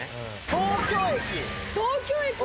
東京駅だ。